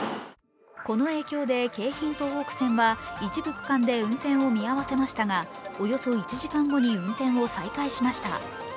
この影響で京浜東北線は一部区間で運転を見合わせましたが、およそ１時間後に運転を再開しました。